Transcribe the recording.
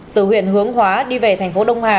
từ huyện hướng hóa đi về thành phố đông hà